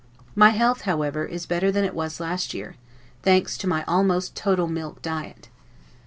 My health, however, is better than it was last year, thanks to my almost total milk diet.